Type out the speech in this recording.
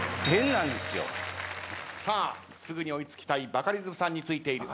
さあすぐに追い付きたいバカリズムさんについている。